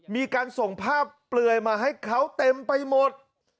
มีการส่งภาพเปลือยมาให้เขาเต็มไปหมด